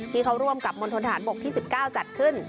ที่เขาร่วมกับมณฑนฐานบกที่๑๙จัดขึ้น